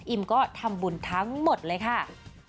ก็ทำบุญทั้งหมดเลยค่ะ